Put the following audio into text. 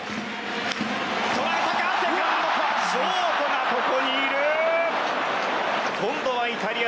ショートがここにいる！